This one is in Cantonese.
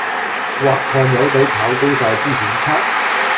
挖礦友仔炒高哂啲顯卡